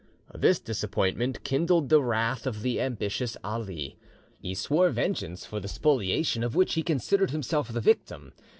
This disappointment kindled the wrath of the ambitious Ali. He swore vengeance for the spoliation of which he considered himself the victim.